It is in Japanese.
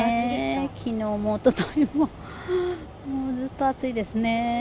きのうもおとといも、もうずっと暑いですね。